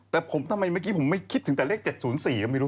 แต่ผมทำไมเมื่อกี้ผมไม่คิดถึงแต่เลข๗๐๔ก็ไม่รู้